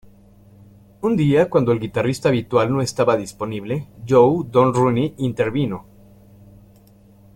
Un día, cuando el guitarrista habitual no estaba disponible, Joe Don Rooney intervino.